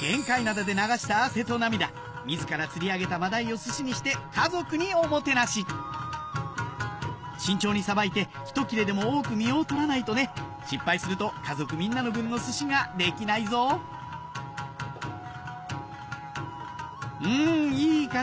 玄界灘で流した汗と涙自ら釣り上げた真鯛を寿司にして家族におもてなし慎重にさばいてひと切れでも多く身を取らないとね失敗すると家族みんなの分の寿司ができないぞうんいい感じ